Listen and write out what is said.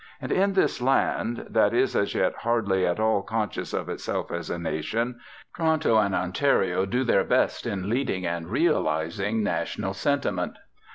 And in this land, that is as yet hardly at all conscious of itself as a nation, Toronto and Ontario do their best in leading and realising national sentiment.